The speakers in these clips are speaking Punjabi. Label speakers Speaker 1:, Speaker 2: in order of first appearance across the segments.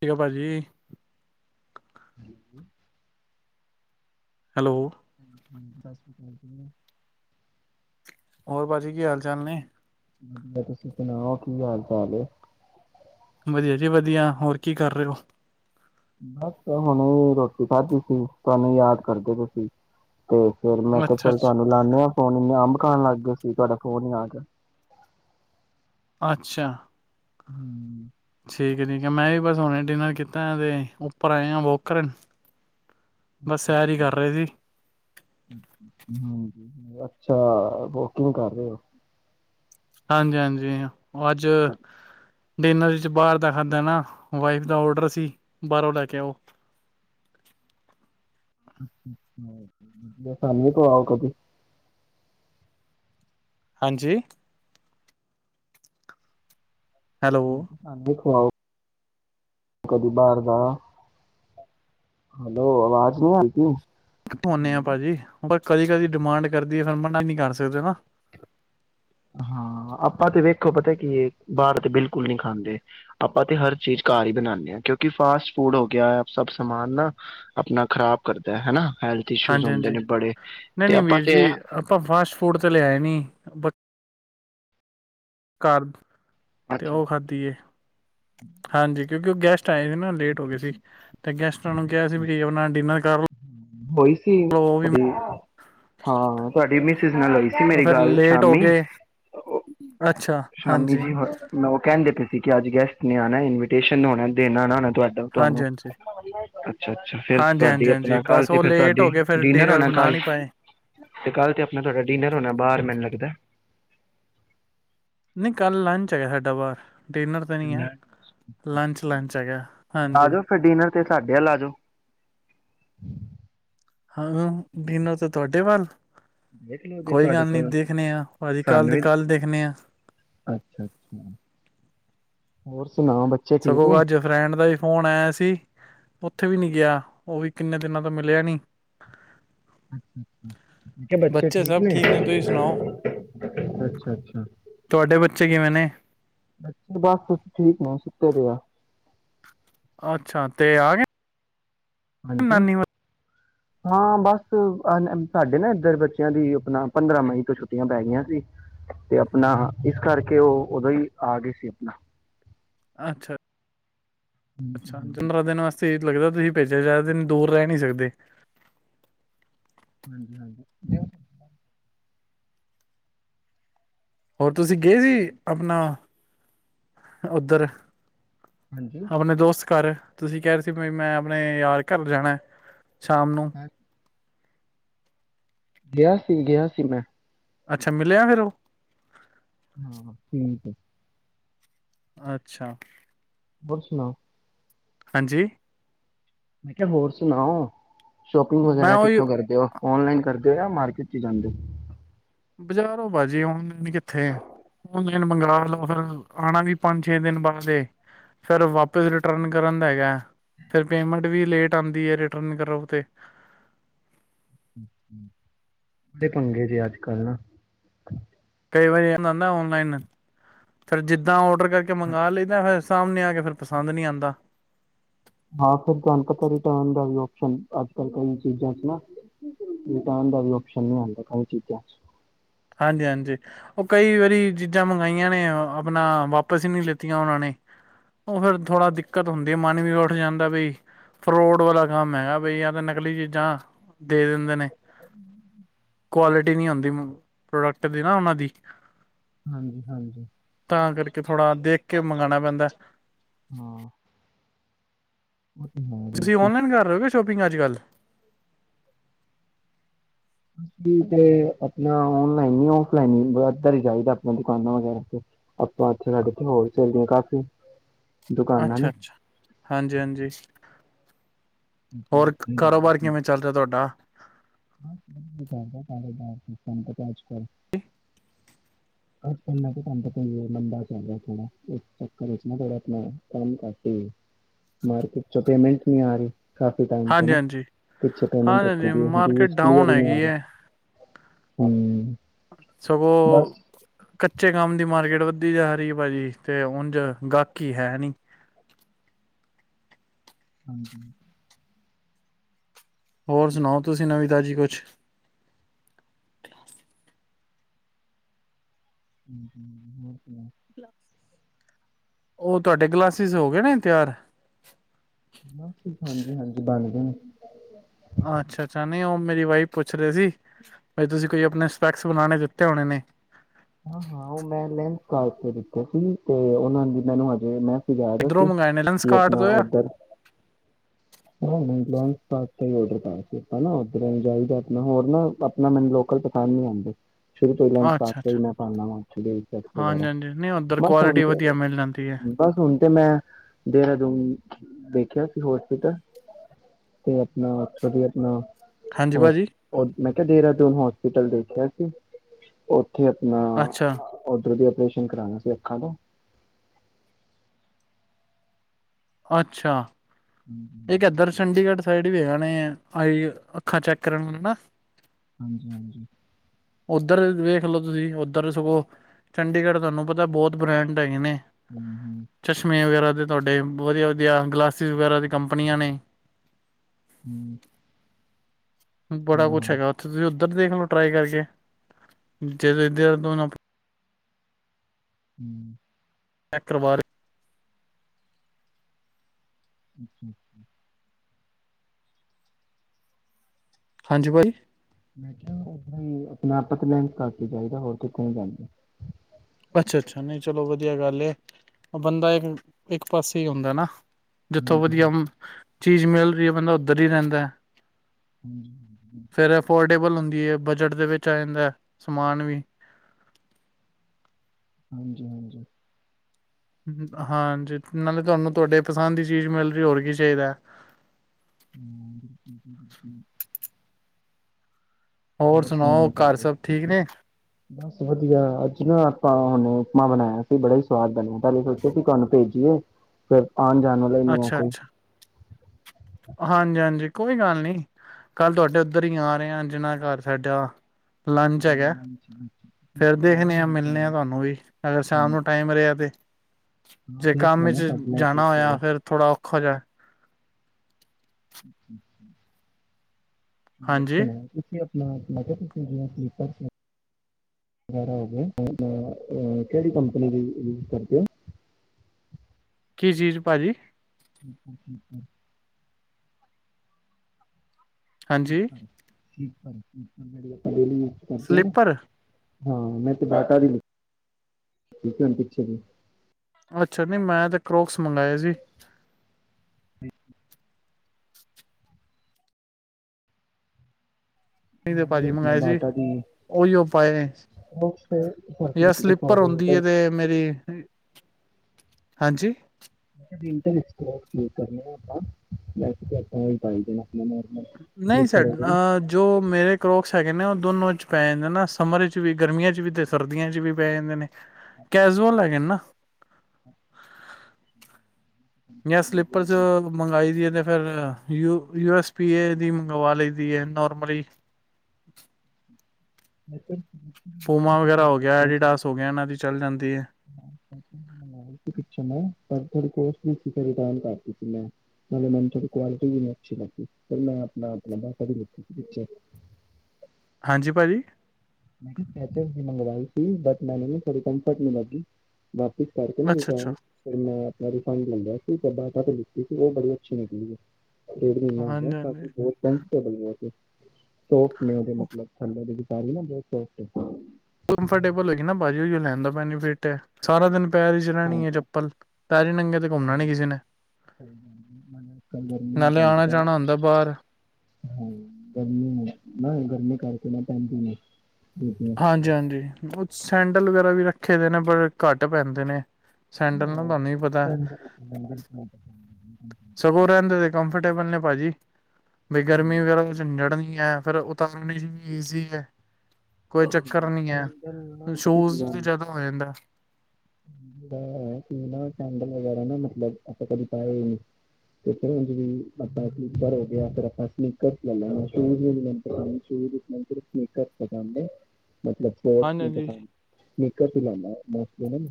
Speaker 1: ਠੀਕ ਏ ਭਾਜੀ।
Speaker 2: ਹਾਂਜੀ
Speaker 1: ਹੈਲੋ।
Speaker 2: ਹਾਂਜੀ ਦਸ ਵੀ [unintelligible]
Speaker 1: ਹੋਰ ਭਾਜੀ ਕੀ ਹਾਲ ਚਾਲ ਨੇ।
Speaker 2: ਤੁਸੀਂ ਸੁਣਾਓ, ਕੀ ਹਾਲ ਚਾਲ ਏ।
Speaker 1: ਵਧੀਆ ਜੀ ਵਧੀਆ ਹੋਰ ਕੀ ਕਰ ਰਹੇ ਹੋ?
Speaker 2: ਬਸ ਹੁਣੇ ਰੋਟੀ ਖਾਧੀ ਸੀ, ਤੁਹਾਨੂੰ ਯਾਦ ਕਰਦੇ ਪਏ ਸੀਂ। ਤੇ ਫੇਰ ਮੈਂ ਕਿਹਾ
Speaker 1: ਅੱਛਾ
Speaker 2: ਚੱਲ
Speaker 1: ਅੱਛਾ
Speaker 2: ਤੁਹਾਨੂੰ ਲਾਣੇ ਆ ਫੋਨ, ਇੰਨੇ ਅੰਬ ਖਾਣ ਲੱਗ ਗਏ ਸੀ, ਤੁਹਾਡਾ ਫੋਨ ਈ ਆ ਗਿਆ।
Speaker 1: ਅੱਛਾ।
Speaker 2: ਹੂੰ।
Speaker 1: ਠੀਕ ਹੈ ਠੀਕ ਹੈ, ਮੈਂ ਵੀ ਬਸ ਹੁਣੇ ਡਿਨਰ ਕੀਤਾ ਤੇ ਉੱਪਰ ਆਏ ਹ ਵੋਕ ਕਰਨ। ਬਸ ਸੈਰ ਹੀ ਕਰ ਰਹੇ ਸੀ।
Speaker 2: ਹੂੰ, ਅੱਛਾ, ਵੋਕਿੰਗ ਕਰ ਰਹੇ ਹੋ?
Speaker 1: ਹਾਂਜੀ ਹਾਂਜੀ। ਉਹ ਅੱਜ ਡਿਨਰ ਵਿੱਚ ਬਾਹਰ ਦਾ ਖਾਧਾ ਨਾ, ਵਾਈਫ ਦਾ ਓਡਰ ਸੀ ਬਾਹਰੋਂ ਲੈ ਕੇ ਆਓ।
Speaker 2: ਫਿਰ ਸਾਨ ਵੀ ਖੁਆਓ ਕਦੀਂ।
Speaker 1: ਹਾਂਜੀ। ਹੈਲੋ
Speaker 2: ਸਾਨ ਵੀ ਖੁਵਾਓ ਕਦੀ ਬਾਹਰ ਦਾ। ਹੈਲੋ, ਆਵਾਜ਼ ਨਹੀਂ ਆਂਦੀ।
Speaker 1: ਖੁਆਨੇ ਆ ਭਾਜੀ ਕਦੀ ਕਦੀ ਡਿਮਾਂਡ ਕਰਦੀ। ਫਿਰ ਮਨਾ ਨੀ ਕਰ ਸਕਦੇ ਨਾ।
Speaker 2: ਹਾਂ, ਆਪਾਂ ਤੇ ਵੇਖੋ ਪਤਾ ਕੀ ਏ ਬਾਹਰ ਤਾਂ ਬਿਲਕੁਲ ਨਹੀਂ ਖਾਂਦੇ, ਆਪਾਂ ਤੇ ਹਰ ਚੀਜ਼ ਘਰ ਹੀ ਬਣਾਂਦੇ ਹਾਂ, ਕਿਉਂਕਿ ਫਾਸਟ ਫੂਡ ਹੋ ਗਿਆ, ਸਭ ਸਮਾਨ ਨਾ ਆਪਣਾ ਖ਼ਰਾਬ ਕਰਦਾ ਹੈਨਾ।
Speaker 1: ਹਾਂਜੀ ਹਾਂਜੀ, ਨਹੀਂ ਨਹੀਂ
Speaker 2: ਆਪਾਂ
Speaker 1: ਵੀਰ
Speaker 2: ਤੇ
Speaker 1: ਜੀ ਆਪਾਂ ਫਾਸਟ ਫੂਡ ਤੇ ਲਿਆਏ ਨੀ ਪਰ ਘਰ ਤੇ
Speaker 2: ਅੱਛਾ
Speaker 1: ਉਹ ਖਾਧੀ ਹੈ, ਹਾਂਜੀ ਕਿਉਂਕਿ ਉਹ ਗੈਸਟ ਆਏ ਨੇ ਨਾ ਲੇਟ ਹੋ ਗਏ ਸੀ, ਤੇ ਗੈਸਟਾਂ ਨੂੰ ਕਿਹਾ ਸੀ ਵੀ ਆਪਣਾ ਡਿਨਰ ਕਰ ਲੋ
Speaker 2: ਹੋਈ ਹੂੰ ਤੁਹਾਡੀ ਹਾਂ ਤੁਹਾਡੀ ਮਿ ਨਾਲ ਹੋਈ ਸੀ ਮੇਰੀ
Speaker 1: ਫਿਰ
Speaker 2: ਗੱਲ
Speaker 1: ਲੇਟ ਹੋ
Speaker 2: ਸ਼ਾਮੀ
Speaker 1: ਗਏ ਅੱਛਾ
Speaker 2: ਸ਼ਾਮੀ
Speaker 1: ਹਾਂਜੀ
Speaker 2: ਜੀ ਹੋਰ ਉਹ ਕਹਿੰਦੇ ਪੇ ਇਹ ਕਿ ਅੱਜ ਗੈਸਟ ਨੇ ਆਣਾ ਇਨਵੀਟੇਸ਼ਨ ਹੋਣਾ ਦੇਣ ਆਣਾ ਹੋਣਾ ਤੁਹਾਡਾ ਤੁਹਾਨੂੰ
Speaker 1: ਹਾਂਜੀ ਹਾਂਜੀ
Speaker 2: ਅੱਛਾ-ਅੱਛਾ ਫਿਰ
Speaker 1: ਹਾਂਜੀ
Speaker 2: ਤੁਹਾਡੀ
Speaker 1: ਹਾਂਜੀ ਹਾਂਜੀ
Speaker 2: ਆਪਣਾ ਕੱਲ
Speaker 1: ਬਸ
Speaker 2: ਤੇ
Speaker 1: ਉਹ
Speaker 2: ਫਿਰ
Speaker 1: ਲੇਟ
Speaker 2: ਤੁਹਾਡੀ
Speaker 1: ਹੋ ਗਏ ਫਿਰ
Speaker 2: ਡੀਨਰ
Speaker 1: ਡਿਨਰ
Speaker 2: ਹੋਣਾ
Speaker 1: ਬਣਾ
Speaker 2: ਕੱਲ
Speaker 1: ਨਹੀਂ ਪਾਏ
Speaker 2: ਤੇ ਕੱਲ ਤੇ ਆਪਣਾ ਡਿਨਰ ਹੋਣਾ ਬਾਹਰ ਮੈਨੂੰ ਲੱਗਦਾ।
Speaker 1: ਨਹੀਂ ਕੱਲ ਲੰਚ ਹੈਗਾ ਸਾਡਾ ਬਾਹਰ ਡਿਨਰ ਤਾਂ ਨਹੀਂ ਹੈ ਲੰਚ ਲੰਚ ਹੈਗਾ ਹਾਂਜੀ
Speaker 2: ਆਜੋ ਫਿਰ ਡਿਨਰ ਤੇ ਸਾਡੇ ਅੱਲ ਆ ਜਾੳ।
Speaker 1: ਹਾਂ-ਹਾਂ ਡਿਨਰ ਤਾਂ ਤੁਹਾਡੇ ਵੱਲ
Speaker 2: ਦੇਖ ਲਓ ਜੇ
Speaker 1: ਕੋਈ
Speaker 2: ਤੁਹਾਡੇ
Speaker 1: ਗੱਲ ਨੀ
Speaker 2: ਕੋਲ
Speaker 1: ਦੇਖਣੇ ਆ ਭਾਜੀ ਕੱਲ੍ਹ
Speaker 2: ਸਾਨੂੰ
Speaker 1: ਦੇ
Speaker 2: ਵੀ
Speaker 1: ਕੱਲ੍ਹ ਦੇਖਣੇ ਆ
Speaker 2: ਮੂਰਤ
Speaker 1: ਸਗੋਂ ਅੱਜ ਫਰੈਂਡ ਦਾ ਵੀ ਫੋਨ ਆਇਆ ਸੀ। ਉੱਥੇ ਵੀ ਨੀ ਗਿਆ। ਉਹ ਵੀ ਕਿੰਨੇ ਦਿਨਾਂ ਤੋਂ ਮਿਲਿਆ ਨੀ।
Speaker 2: ਠ ਬੱਚੇ ਠੀਕ ਨੇ ਅੱਛਾ-ਅੱਛਾ,
Speaker 1: ਤੁਹਾਡੇ ਬੱਚੇ ਕਿਵੇਂ ਨੇ
Speaker 2: ਬਸ ਠੀਕ ਨੇ ਸੁੱਤੇ ਦੇ ਆ।
Speaker 1: ਅੱਛਾ ਤੇ ਆ ਗਏ।
Speaker 2: ਹਾਂਜੀ।
Speaker 1: ਨਾਨੀ
Speaker 2: ਹਾਂ ਬਸ ਸਾਡੇ ਨਾ ਇੱਧਰ ਬੱਚਿਆਂ ਦੀ ਆਪਣਾ ਪੰਦਰਾਂ ਮਈ ਤੋਂ ਛੁੱਟੀਆਂ ਪੈ ਗਈਆਂ ਸੀ ਤੇ ਆਪਣਾ ਇਸ ਕਰਕੇ ਉਹ ਉਦੋਂ ਹੀ ਆ ਗਏ ਸੀ। ਆਪਣਾ
Speaker 1: ਅੱਛਾ।
Speaker 2: ਹਾਂਜੀ
Speaker 1: ਅੱਛਾ
Speaker 2: ਹਾਂਜੀ
Speaker 1: ਪੰਦਰਾਂ ਦਿਨ ਵਾਸਤੇ ਲੱਗਦਾ, ਤੁਸੀਂ ਭੇਜਿਆ ਜਾਦਾ ਦਿਨ ਦੂਰ ਰਹਿ ਨੀ ਸਕਦੇ। ਦੇ
Speaker 2: ਹਾਂਜੀ- ਹਾਂਜੀ।
Speaker 1: ਹੋਰ ਤੁਸੀਂ ਗਏ ਸੀ। ਆਪਣਾ ਉੱਧਰ
Speaker 2: ਹਾਂਜੀ
Speaker 1: ਅਪਣੇ ਦੋਸਤ ਘਰ ਤੁਸੀਂ ਕਹਿ ਰਹੇ ਸੀ ਬਈ ਮੈਂ ਆਪਣੇ ਯਾਰ ਘਰ ਜਾਣਾ। ਸ਼ਾਮ ਨੂੰ
Speaker 2: ਹਾਂਜੀ। ਗਿਆ ਸੀ। ਗਿਆ ਸੀ। ਮੈਂ
Speaker 1: ਅੱਛਾ, ਮਿਲਿਆ ਫਿਰ ਉਹ
Speaker 2: ਹਾਂ ਠੀਕ ਹੈ
Speaker 1: ਅੱਛਾ
Speaker 2: ਹੋਰ ਸੁਣਾਓ।
Speaker 1: ਹਾਂਜੀ।
Speaker 2: ਮੈਂ ਕਿਹਾ ਹੋਰ ਸੁਣਾਓ। ਸ਼ੋਪਿੰਗ
Speaker 1: ਮੈਂ
Speaker 2: ਵਗੈਰਾ
Speaker 1: ਉਹੀ
Speaker 2: ਕਿੱਥੋਂ ਕਰਦੇ ਹੋ? ਔਨਲਾਈਨ ਕਰਦੇ ਆ, ਮਾਰਕੀਟ ਚ ਜਾਂਦੇ
Speaker 1: ਬਜ਼ਾਰੋ ਭਾਜੀ ਹੁਣ ਉਮੀਦ ਕਿੱਥੇ ਓਨਲਾਇਨ ਮਗਾਲੋ ਫਿਰ ਆਨਾ ਨੀ ਪੰਜ ਛੇ ਦਿਨ ਬਾਦ ਏ ਫੇਰ ਵਾਪਸ ਫੇਰ ਰਿਟਰਨ ਕਰਨ ਦਾ ਹੈਗਾ ਫ ਪੇਮੈਂਟ ਵੀ ਲੇਟ ਆਉਂਦੀ ਆ ਰਿਟਰਨ ਕਰੋ ਤੇ
Speaker 2: ਬੜੇ ਪੰਗੇ ਜੇ ਅੱਜਕੱਲ ਨਾ
Speaker 1: ਕਈ ਵਾਰੀ ਆਨਾ ਔਨਲਾਈਨ ਫ ਜਿੱਦਾਂ ਔਡਰ ਕਰਕੇ ਮੰਗਵਾ ਲਈ ਦਾ ਫਿਰ ਸਾਹਮਣੇ ਆ ਕੇ ਫਿਰ ਪਸੰਦ ਨਹੀਂੀ ਆਉਂਦਾ
Speaker 2: ਹਾਂ ਫਿਰ ਤੁਹਾਨੂੰ ਪਤਾ ਰੀਟਰਨ ਦਾ ਵੀ ਆਪਸ਼ਨ ਅੱਜ ਕਲ ਕਇ ਚੀਜ਼ਾਂ ਚ ਨਾ ਰਿਟਰਨ ਦਾ ਵੀ ਆਪਸ਼ਨ ਆਉਂਦਾ ਕਈ ਚੀਜ਼ਾਂ
Speaker 1: ਹਾਂਜੀ ਹਾਂਜੀ ਉਹ ਕਈ ਵਾਰੀ ਚੀਜ਼ਾਂ ਮੰਗਾਈਆਂ ਨੇ ਆਪਣਾ ਵਾਪਿਸ ਹੀ ਨਹੀਂ ਲੈਤੀਆਂ ਉਹਨਾਂ ਨੇ ਉਹ ਫੇਿਰ ਥੋੜ੍ਹਾ ਦਿੱਕਤ ਹੁੰਦੀ ਹੈ ਮਨ ਵੀ ਉੱਠ ਜਾਂਦਾ ਬਈ ਫਰੋਡ ਵਾਲਾ ਕੰਮ ਹੈਗਾ ਬ ਜਾਂ ਤੇ ਨਕਲੀ ਚੀਜ਼ਾਂ ਦੇ ਦਿੰਦੇ ਨੇ ਕੁਆਲਿਟੀ ਨਹੀਂ ਆਉਂਦੀ ਹੁਣ ਪ੍ਰੋਡਕਟ ਦੀ ਨਾ ਉਹਨਾਂ ਦੀ
Speaker 2: ਹਾਂਜੀ ਹਾਂਜੀ
Speaker 1: ਤਾਂ ਕਰਕੇ ਥੋੜਾ ਦੇਖ ਕੇ ਮੰਗਵਾਉਣਾ ਪੈਂਦਾ ਏ
Speaker 2: ਹਾਂ ਉਹ ਤੇ ਹੈ ਵੀਰ
Speaker 1: ਤੁਸੀਂ
Speaker 2: ਜੀ
Speaker 1: ਔਨਲਾਈਨ ਕਰ ਰਹੇ ਹੋਗੇ ਸ਼ੋਪ ਅੱਜ ਕੱਲ
Speaker 2: ਆਪਣਾ ਓਨ ਲਾਈਨ ਹੀ ਆਫ ਲਾਈਨ ਹੀ ਬਰਾਬਰ ਹੀ ਹੈਗਾ ਆਪ ਦੁਕਾਨਾਂ ਵਗੈਰਾ ਤੇ ਆਪਾਂ ਇਥੇ ਸਾਡੇ ਇਥੇ ਹੋਲਸੇਲ ਦੀ ਕਾਫੀ ਦੁਕਾਨਾਂ
Speaker 1: ਅੱਛਾ
Speaker 2: ਨੇ
Speaker 1: ਅੱਛਾ ਹਾਂਜੀ ਹਾਂਜੀ
Speaker 2: ਆਪਣਾ
Speaker 1: ਹੋਰ
Speaker 2: ਉੱਥੇ
Speaker 1: ਕਾਰੋਬਾਰ ਕਿਵੇਂ ਚੱਲ ਰਿਹਾ ਤੁਹਾਡਾ?
Speaker 2: ਦਾ ਜਾ ਆਜ ਕੱਲ ਅਜ ਕਲ ਬੰਦ ਪਏ ਹੋਏ ਨੇ, ਮਦਾ ਚਲ ਰਿਹਾ ਥੋੜਾ, ਇਸ ਚੱਕ ਕਰ ਵਿੱਚ ਨਾ ਥੋੜਾ ਆਪਣਾ ਕੰਮ ਘਟ ਹੈ ਨਾਲ ਪਿੱਛੋ ਪੇਮੈਂਟ ਨੀ ਆ ਰਹੀ ਕਾਫੀ ਟਾਈਮ ਤੋਂ
Speaker 1: ਹਾਂਜੀ
Speaker 2: ਨਾ
Speaker 1: ਹਾਂਜੀ
Speaker 2: ਪਿੱਛੇ ਪੇਮੈਂਟ ਰੁਕੀ
Speaker 1: ਹਾਂਜੀ
Speaker 2: ਦੀ, ਡਉ
Speaker 1: ਮਾਰਕੀਟ
Speaker 2: ਕਲੀਅਰ
Speaker 1: ਡਾਊਨ
Speaker 2: ਹੀ ਨਹੀਂ ਆ
Speaker 1: ਹੈਗੀ
Speaker 2: ਰਿਹਾ ਹਮ
Speaker 1: ਸਗੋ ਕੱਚੇ ਕੰਮ ਦੀ ਮਾਰਕੀਟ ਵੱਧਦੀ ਜਾ ਰਹੀ ਭਾਜੀ ਤੇ ਉਝ ਗਾਹਕੀ ਹੈ ਨੀ
Speaker 2: ਹਾਂਜੀ
Speaker 1: ਹੋਰ ਸੁਣਾਓ ਤੁਸੀਂ ਨਵੀ ਤਜ਼ੀ ਕੁਛ
Speaker 2: ਹਮ ਹਮ ਹੋ ਤੇ ਹੈ
Speaker 1: ਗਲਾਸਇਜ਼ ਉਹ ਤੁਹਾਡੇ ਗਲਾਸਿਸ ਹੋ ਗਏ ਨੇ ਤਿਆਰ
Speaker 2: ਹਾਂਜੀ ਹਾਂਜੀ ਬਣ ਗਏ ਨੇ
Speaker 1: ਅੱਛਾ ਅੱਛਾ ਨਹੀਂ ਉਹ ਮੇਰੀ ਵਾਈਫ ਪੁੱਛ ਰਹੇ ਸੀ ਬ ਤੁਸੀਂ ਕੋਈ ਆਪਣੇ ਸਪੈਕਸ ਬਣਾਣੇ ਦਿੱਤੇ ਹੋਣੇ ਨੇ
Speaker 2: ਹਾਂ ਹਾਂ ਉਹ ਮੈਂ ਲੇਂਸ ਕਾਰਟ ਨੂੰ ਦਿੱਤੇ ਸੀ ਤੇ ਉਹਨਾਂ ਦੀ ਮੈਨੂੰ ਹਜੇ ਮੈਂ ਲਿਆ
Speaker 1: ਕਿੱਧਰੋਂ
Speaker 2: ਦਿੱਤੇ
Speaker 1: ਮੰਗਵਾਏ ਨੇ ਲੈਂਸ ਕਾਰਟ
Speaker 2: ਆਪਣਾ
Speaker 1: ਤੋਂ ਆ
Speaker 2: ਉੱਧਰ ਨਹੀਂ ਲੈਂਸ ਕਾਰਟ ਆਰਕਡਰ ਪਾਇਆ ਸੀ ਉਧਰ ਜਾਈਦਾ ਹੋਰ ਨਾ ਆਪਣਾ ਮੈਨੂੰ ਲੋਕਲ ਪਸੰਦ ਨਹੀਂ ਆਉਂਦੇ। ਸ਼ੁਰੂ ਤੋਂ ਲੈਂਸ ਕਾਰਟ
Speaker 1: ਅੱਛਾ ਅੱਛਾ
Speaker 2: ਮੈ ਪਾਨਾ ਵਾ ਐਕਚਲ਼ੀ ਸਪੈਕਸ
Speaker 1: ਹਾਂਜੀ
Speaker 2: ਵਗੈਰਾ,
Speaker 1: ਹਾਂਜੀ ਨਹੀਂ ਉੱਧਰ
Speaker 2: ਬਸ ਹੁਣ
Speaker 1: ਕੁਆਲਿਟੀ ਵਧੀਆ ਮਿਲ ਜਾਂਦੀ ਹੈ
Speaker 2: ਬਸ ਹੁਣ ਤੇ ਮੈਂ ਦੇਰਾ ਦੂੰਨ ਦੇਖਿਆ ਸੀ ਹੋਰਸਪਿਟਲ ਤੇ ਆਪਣਾ ਤਬੀਅਤ
Speaker 1: ਹਾਂਜੀ
Speaker 2: ਹੋ
Speaker 1: ਭਾਜੀ
Speaker 2: ਉਹ ਮੈਂ ਦੇਹਰਾਦੂਨ ਹੋਸਪਿਟਲ ਦੇਖਿਆ ਸੀ। ਔ ਥੇ ਆਪਣਾ
Speaker 1: ਅੱਛਾ
Speaker 2: ਉਧਰ ਦੇ ਓਪਰੇਸ਼ਨ ਕਰਾਣਾ ਸੀ ਅੱਖਾਂ ਦਾ।
Speaker 1: ਅੱਛਾ। ਇੱਕ ਏਧਰ ਚੰਡੀਗੜ੍ਹ ਸਾਈਡ ਵੀ ਹੈ ਨੇ, ਆਈ ਅੱਖਾਂ ਚੈੱਕ ਕਰਨ ਵਾਲਾ ਨਾ।
Speaker 2: ਹਾਂਜੀ-ਹਾਂਜੀ।
Speaker 1: ਓਧਰ ਵੇਖ ਲੋ ਤੁਸੀਂ, ਓਧਰ ਸਗੋਂ ਚੰਡੀਗੜ੍ਹ ਤੁਹਾਨੂੰ ਪਤਾ ਬਹੁਤ ਬ੍ਰੈਂਡ ਹੈਗੇ ਨੇ।
Speaker 2: ਹੂੰ-ਹੂੰ।
Speaker 1: ਤੇ ਤੁਹਾਡੇ ਵਧੀਆ-ਵਧੀਆ ਗਲਾਸਿਸ ਵਗੈਰਾ ਦੀ ਕੰਪਨੀਆਂ ਨੇ।
Speaker 2: ਹੂੰ।
Speaker 1: ਬੜਾ
Speaker 2: ਹਾਂ
Speaker 1: ਕੁੱਛ
Speaker 2: ਹਾਂ
Speaker 1: ਹੈਗਾ ਉੱਥੇ ਤੁਸੀ ਉੱਧਰ ਦੇਖਲੋ ਟਰਾਈ ਕਰਕੇ, ਜਦੋਂ ਇਧਰ [unintelligible]
Speaker 2: ਹੂੰ।
Speaker 1: ਏ ਕਰਵਾ ਰੇ
Speaker 2: ਅੱਛਾ-ਅੱਛਾ।
Speaker 1: ਹਾਂਜੀ ਬਾਈ?
Speaker 2: ਮੈਂ ਕਿਹਾ ਆਪਣੇ ਆਪਾਂ ਤੇ ਲੇੰਸ ਕਾਰਟ ਤੇ ਜਾਈਦਾ, ਹੋਰ ਤੇ ਕੋਈ ਗੱਲ ਨੀ।
Speaker 1: ਅੱਛਾ ਅੱਛਾ ਨਹੀਂ ਚਲੋ ਵਧੀਆ ਗੱਲ ਏ, ਬੰਦਾ ਇੱਕ-ਇੱਕ ਪਾਸੇ ਹੀ ਹੁੰਦਾ ਨਾ। ਜਿੱਥੋਂ
Speaker 2: ਹਾਂਜੀ
Speaker 1: ਵਧੀਆ ਚੀਜ਼ ਮਿਲ ਰਹੀ ਐ, ਬੰਦਾ ਉੱਧਰ ਹੀ ਰੇਂਦਾ ਏ।
Speaker 2: ਹਾਂਜੀ, ਹੂੰ-ਹੂੰ।
Speaker 1: ਡੇ ਵਲ ਹੁੰਦੀ ਐ, ਬਜਟ ਦੇ ਵਿਚ ਆ ਜਾਂਦਾ ਏ, ਸਮਾਨ ਵੀ।
Speaker 2: ਹਾਂਜੀ-ਹਾਂਜੀ।
Speaker 1: ਹਾਂ ਜੀ, ਨਾਲੇ ਤੁਹਾਨੂੰ ਤੁਹਾਡੇ ਪਸੰਦ ਦੀ ਚੀਜ਼ ਮਿਲ ਰਹੀ ਹੋਰ ਕੀ ਚਾਹੀਦਾ ਏ?
Speaker 2: ਹਮ ਹੁੰ-ਹੁੰ-ਹੁੰ-ਹੁੰ। ਹੋਰ ਸੁਣਾ
Speaker 1: ਸੁਣਾਓ
Speaker 2: ਘਰ ਸਬ,
Speaker 1: ਸਭ ਠੀਕ ਨੇ?
Speaker 2: ਬਸ ਵਧੀਆ, ਅੱਜ ਜਿਵੇਂ ਆਪਾਂ ਹੁਣ ਉਪਮਾ ਬਣਾਇਆ ਸੀ, ਬੜਾ ਹੀ ਸਵਾਦ ਬਣਿਆ, ਪਹਿਲੇ ਸੋਚਿਆ ਸੀ ਤੁਹਾਨੂੰ ਭੇਜੀਏ, ਫਿਰ ਆਉਣ ਜਾਣ ਵਾਲਾ ਨੀ ਹੈ ਕੋਈ।
Speaker 1: ਹਾਂਜੀ-ਹਾਂਜੀ ਕੋਈ ਗੱਲ ਨੀ, ਕੱਲ ਤੁਹਾਡੇ ਉੱਧਰ ਹੀ ਆ ਰਹੇ ਆ, ਜਿਨ੍ਹਾਂ ਘਰ ਸਾਡਾ ਲੰਚ
Speaker 2: ਜੀ,
Speaker 1: ਹੈਗਾ,
Speaker 2: ਲਾਲਚ ਹੀ ਲਾਲਚ। ਤੁਸੀਂ
Speaker 1: ਫੇਰ
Speaker 2: ਤੁਸੀਂ ਆਓ
Speaker 1: ਦੇਖਦੇ ਹਾਂ
Speaker 2: ਮੇਰੇ
Speaker 1: ਮਿਲਣੇ ਹਾਂ
Speaker 2: ਕੋਲ।
Speaker 1: ਤੁਹਾਨੂੰ ਵੀ, ਅਗਰ ਸ਼ਾਮ
Speaker 2: ਹਾਂਜੀ
Speaker 1: ਨੂੰ ਟਾਈਮ ਰਿਹਾ ਤੇ,
Speaker 2: ਹਾਂ
Speaker 1: ਜੇ
Speaker 2: ਦੇਖ
Speaker 1: ਕੰਮ ਵਿੱਚ
Speaker 2: ਲੈਣਾ ਕੱਢ ਲੈ ਕੋਈ
Speaker 1: ਜਾਣਾ ਹੋਇਆ
Speaker 2: ਤੇਰਾ
Speaker 1: ਫਿਰ ਥੋੜ੍ਹਾ ਔਖਾ ਜਿਹਾ
Speaker 2: ਅੱਛਾ-ਅੱਛਾ। ਹੋਰ
Speaker 1: ਹਾਂਜੀ
Speaker 2: ਸੁਣਾ? ਤੁਸੀਂ ਅਪ ਮੈ ਕਿਆ ਤੁਸੀ ਜਿਵੇੰ ਸਲੀਪਰ ਵਗੈਰਾ ਹੋ ਗਏ, ਏ ਅਹ ਕਿਹੜੀ ਕੰਪਨੀ ਦੇ ਯੂਜ ਕਰਦੇ ਹੋ?
Speaker 1: ਕੀ ਚੀਜ਼ ਭਾਜੀ?
Speaker 2: ਠੀਕ ਹੈ-ਠੀਕ ਹੈ।
Speaker 1: ਹਾਂਜੀ
Speaker 2: ਠੀਕ ਏ। ਠੀਕ ਹੈ, ਜੇੜ੍ਹੇ ਆਪਾਂ ਡੇਲੀ ਯੂਜ ਕਰਦੇ ਆ ਨਾ
Speaker 1: ਸਲੀਪਰ
Speaker 2: ਹਾਂ ਮੈਂ ਤੇ ਬਾਟਾ ਦੀ ਲੀਤੀ ਹੁਣ ਪਿੱਛੇ ਜੀ [inaudible]
Speaker 1: ਅੱਛਾ ਨੀ ਮੈਂ ਤੇ ਕਰੋਕਸ ਮੰਗਵਾਏ ਸੀ
Speaker 2: [unintelligible]
Speaker 1: ਨਹੀਂ ਤੇ
Speaker 2: ਮੈਂ ਵੀ
Speaker 1: ਭਾਜੀ
Speaker 2: ਆਪਣਾ
Speaker 1: ਮੰਗਵਾਏ ਸੀ
Speaker 2: ਬਾਟਾ ਦੀ
Speaker 1: ਉਹੀ ਉਹ ਪਾਏ
Speaker 2: ਬੁੱਕਸ ਤੇ
Speaker 1: ਯ
Speaker 2: ਸਰਟੀਫਿਕੇਟ ਦੇ
Speaker 1: ਸਲੀਪਰ
Speaker 2: ਫੋਰ
Speaker 1: ਹੁੰਦੀ ਹੈ
Speaker 2: ਵਿੰਟਰ
Speaker 1: ਤੇ ਮੇਰੀ ਹਾਂਜੀ
Speaker 2: [unintelligible]
Speaker 1: ਨਹੀਂ
Speaker 2: ਸਲੀਪ
Speaker 1: ਸਰ
Speaker 2: ਕਰੋਗੇ ਨਾ
Speaker 1: ਅਹ ਜੋ ਮੇਰੇ ਕਰੋਕਸ ਹੈਗੇ ਨੇ ਉਹ ਦੋਨੋ ' ਪੈ ਜਾਂਦੇ ਨਾ ਸਮਰ ਚ ਵੀ ਗਰਮੀਆਂ ' ਵੀ ਅਤੇ ਸਰਦੀਆਂ ' ਵੀ ਪੈ ਜਾਂਦੇ ਨੇ ਕੈਜੂਅਲ ਹੈਗੇ ਨਾ
Speaker 2: [inaudible]
Speaker 1: ਜਾਂ ਸਲੀਪਰ ਚ ਮੰਗਵਾਾਈ ਦੀ ਇਹੇ ਫਿਰ U U S P A ਦੀ ਮੰਗਵਾ ਲਈ ਦੀ ਹੈ ਨੋਰਮਲੀ
Speaker 2: [unintelligible]
Speaker 1: ਫੂਮਾ ਵਗੈਰਾ ਹੋ
Speaker 2: ਸਾਰੀ
Speaker 1: ਗਿਆ
Speaker 2: ਕੋਰਸ ਲਈ
Speaker 1: ਐਡੀਡਾਸ ਹੋ
Speaker 2: ਸੀ
Speaker 1: ਗਿਆ ਇਹਨਾਂ ਦੀ ਚੱਲ ਜਾਂਦੀ ਹੈ
Speaker 2: [unintelligible]
Speaker 1: ਹਾਂਜੀ ਭਾਜੀ
Speaker 2: ਮੈਂ ਤੇ ਮੰਗਵਾਈ ਸੀ ਬਟ ਮੈਨ ਥੋੜੀ ਕੰਫਰਟ ਨਹੀਂ ਲੱਗੀ ਵਾਪਿਸ ਕਰਕੇ
Speaker 1: ਅੱਛਾ ਅੱਛਾ
Speaker 2: ਰਿਟਰ ਫਿਰ ਮੈਂ ਆਪਣਾ ਰਿਫੰਡ ਲੈਂਦਾ ਠੀਕ ਹੈ ਬਾਕੀ ਲਿਖਤੀ ਸੀ ਉਹ ਬੜੀ ਅੱਛੀ ਨਿਕਲੀ ਡੇਢ ਮਹੀਨਾ ਹੁੰ ਗਿਆ
Speaker 1: ਹਾਂਜੀ
Speaker 2: ਤਾਂ
Speaker 1: ਹਾਂਜੀ
Speaker 2: ਕਾਫੀ ਦੇਰ [unintelligible] ਤੋਫ ਨੇ ਉਹਦੇ ਮਤਲਬ ਠੰਡ ਦੇ ਵਿੱਚ ਸਾਰੇ ਨਾ ਬਹੁਤ ਅੱਛਾ
Speaker 1: ਕੰਫਰਟੇਬਲ ਹੈਗੀ ਨਾ ਬਾਜੀ ਲੈਣ ਦਾ ਬੈਨੀਫਿਟ ਹੈ ਸਾਰਾ ਦਿਨ ਪੈਰੀ ਚ ਰਹਿਣੀ ਹੈ
Speaker 2: ਹਾਂਜੀ
Speaker 1: ਚੱਪਲ ਪੈਰੀ ਨੰਗੇ ਤੇ ਘੁੰਮਣਾ ਨੀ
Speaker 2: ਹਾਂ
Speaker 1: ਕਿਸੇ ਨੇ
Speaker 2: ਸਹੀ ਗੱਲ ਹੈ ਕੱਲ ਗਰਮੀ ਨੂੰ
Speaker 1: ਨਾਲੇ
Speaker 2: ਤੁਹਾਨੂੰ
Speaker 1: ਆਉਣਾ
Speaker 2: ਪਤਾ ਹੈ
Speaker 1: ਜਾਣਾ ਹੁੰਦਾ ਬਾਹਰ
Speaker 2: ਹਾਂ ਗਰਮੀ ਨਾ ਗਰਮੀ ਕਰਕੇ ਨਾੈਂ ਟਮਦੀ
Speaker 1: ਹਾਂਜੀ ਹਾਂਜੀ ਸੈਂਡਲ ਵਗੈਰਾ ਵੀ ਰੱਖੇ ਦੇ ਨੇ ਪਰ ਘੱਟ ਪੈਂਦੇ ਨੇ ਸੈਂਡਲ ਨਾ ਤੁਹਾਨੂੰ ਵੀ ਪਤਾ
Speaker 2: [inaudible]
Speaker 1: ਸਗੋਂ ਰਹਿੰਦੇ ਤੇ ਕੰਫਰਟੇਬਲ ਨੇ ਭਾਜੀ। ਬਈ ਗਰਮੀ ਵਗੈਰਾ ਨੜਨੀ ਹੈ ਫਿਰ ਉਤਾਰਨੀ ਚ ਵੀ ਈਜ਼ੀ ਹੈ ਕੋਈ ਚੱਕਰ ਨੀ ਹੈ
Speaker 2: ਸੈਂਡਲ ਨਾ ਪਤਾ ਹੈ
Speaker 1: ਸ਼ੂਜ
Speaker 2: ਕਿ
Speaker 1: ਤੇ ਜ਼ਿਆਦਾ ਹੋ ਜਾਂਦਾ
Speaker 2: ਹੈ ਸੈਂਡਲ ਵੈਗੇਰਾ ਨਾ ਬ ਕਦੀ ਪਾਏ ਫ ਬ ਬਰ ਹੋ ਗਿਆ ਸਨੀਕਰ ਲ ਸ਼ੂ ਸ਼ੂ ਸਨੀਕਰਦੇ [unintelligible] ਮਤਲਬ ਸੋਰਟਸ ਨੂੰ
Speaker 1: ਹਾਂਜੀ-ਹਾਂਜੀ।
Speaker 2: ਪਸੰਦ ਨਿਕਤ ਜਾਂਦਾ ਮੋਅ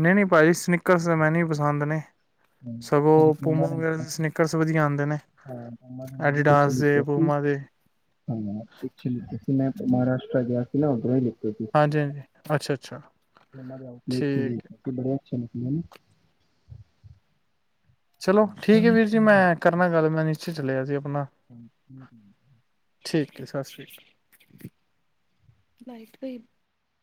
Speaker 1: ਨਈਂ, ਨਈਂ ਭਾਜੀ ਸਨੀਕਰਸ ਮੈਂ ਨਹੀਂ ਪਸੰਦ ਨੇ
Speaker 2: ਹਾਂ, ਅਸੀਂ
Speaker 1: ਸਗੋਂ ਪੂਮਾ
Speaker 2: ਪੂਅਮਾਂ ਦੇ
Speaker 1: ਵਗੈਰਾ
Speaker 2: ਲਿਤੇ ਸੀ।
Speaker 1: ਸਨੀਕਰਸ ਵਧੀਆ ਆਂਦੇ ਨੇ
Speaker 2: ਹਾਂ, ਪੂਅਮਾਂ ਦੇ ਮੈਂ ਵੀ ਪਿੱਛੇ
Speaker 1: ਐਡੀਡਾਸ ਦੇ
Speaker 2: ਲਿੱਤੇ ਸੀ,
Speaker 1: ਪੂਮਾ ਦੇ।
Speaker 2: ਹਾਂ ਪਿੱਛੇ ਲਿੱਤੇ ਸੀ, ਮੈਂ ਮਹਾਰਾਸ਼ਟਟਰ ਗਿਆ। ਨਾ ਉਤਰੈਗੀ
Speaker 1: ਹਾਂਜੀ-ਹਾਂਜੀ ਅੱਛਾ-ਅੱਛਾ
Speaker 2: [unintelligible]
Speaker 1: ਠੀਕ ਹੈ।
Speaker 2: ਬੜੇ ਅੱਛੇ ਨੇ। [unintelligible]
Speaker 1: ਚਲੋ ਠੀਕ ਐ ਵੀਰ ਜੀ, ਮੈਂ ਕਰਨਾ ਗੱਲ ਮੈਂ ਨੀਚੇ ਚੱਲਿਆ ਸੀ। ਆਪਣਾ
Speaker 2: [inaudible]
Speaker 1: ਕਿ ਸਤਿ ਸ਼੍ਰੀ ਅ [inaudible]